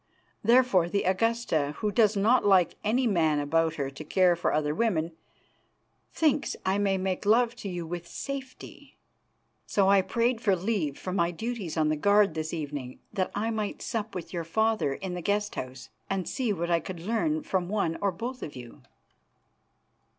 Therefore, the Augusta, who does not like any man about her to care for other women, thinks I may make love to you with safety. So I prayed for leave from my duties on the guard this evening that I might sup with your father in the guest house, and see what I could learn from one or both of you."